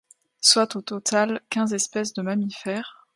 Soit au total quinze espèces de mammifères.